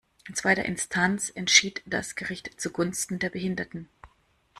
In zweiter Instanz entschied das Gericht zugunsten der Behinderten.